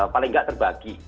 paling gak terbagi